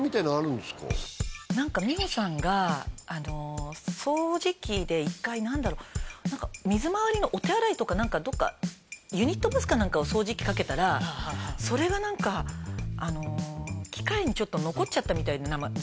何か美穂さんがあの掃除機で１回何だろう何か水回りのお手洗いとか何かどっかユニットバスか何かを掃除機かけたらはあはあはあそれが何かあの機械にちょっと残っちゃったみたいでずっと